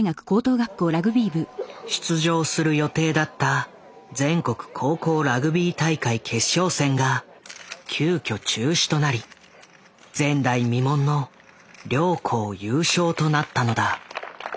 出場する予定だった全国高校ラグビー大会決勝戦が急きょ中止となり前代未聞の両校優勝となったのだ。